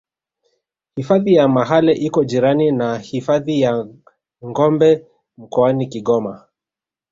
hifadhi ya mahale iko jirani na hifadhi ya gombe mkoani kigoma